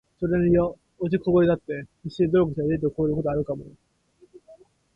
｢それによ……落ちこぼれだって必死で努力すりゃエリートを超えることがあるかもよ｣